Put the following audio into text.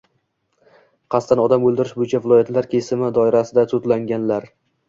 qasddan odam o‘ldirish bo‘yicha viloyatlar kesimi doirasida sudlanganlar.